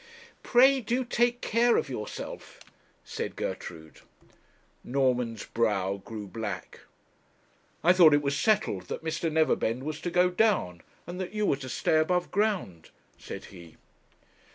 'Pray do take care of yourself,' said Gertrude. Norman's brow grew black. 'I thought that it was settled that Mr. Neverbend was to go down, and that you were to stay above ground,' said he.